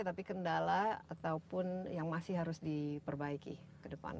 tapi kendala ataupun yang masih harus diperbaiki ke depan